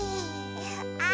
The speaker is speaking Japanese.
あ！